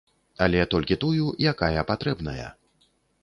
Але толькі тую, якая патрэбная.